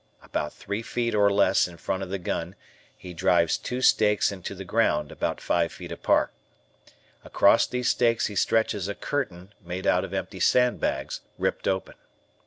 About three feet or less in front of the gun he drives two stakes into the ground, about five feet apart. Across these stakes he stretches a curtain made out of empty sandbags ripped open.